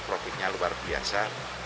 profitnya luar biasa